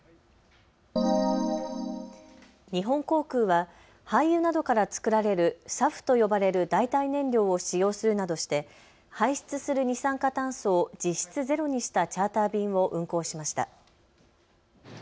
日本航空は廃油などから作られるＳＡＦと呼ばれる代替燃料を使用するなどして排出する二酸化炭素を実質ゼロにしたチャーター便を運航しました。